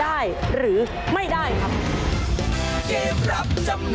ได้หรือไม่ได้ครับ